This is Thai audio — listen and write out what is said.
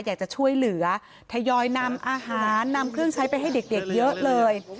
อยากจะช่วยเหลือทยอยนำอาหารนำเครื่องใช้ไปให้เด็กเยอะเลย